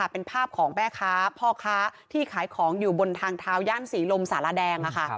เป็นภาพของแม่ค้าพ่อค้าที่ขายของอยู่บนทางเท้าย่านศรีลมสารแดง